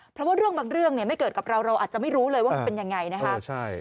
เพราะว่าเรื่องบางเรื่องเนี่ยไม่เกิดกับเราเราอาจจะไม่รู้เลยว่ามันเป็นยังไงนะคะ